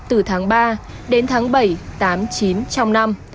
từ tháng ba đến tháng bảy tám chín trong năm